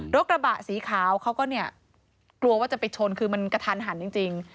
กระบะสีขาวเขาก็เนี่ยกลัวว่าจะไปชนคือมันกระทันหันจริง